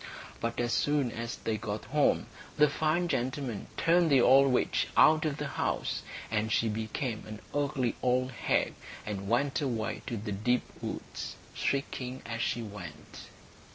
But as soon as they got home the fine gentleman turned the old witch out of the house. And she became an ugly old hag, and went away to the deep woods, shrieking as she went.